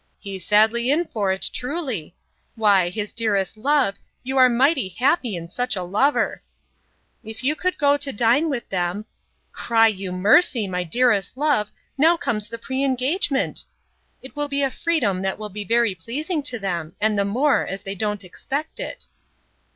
—He's sadly in for't, truly! Why, his dearest love, you are mighty happy in such a lover!'—If you could go to dine with them—'Cry you mercy, my dearest love, now comes the pre engagement!'—it will be a freedom that will be very pleasing to them, and the more, as they don't expect it.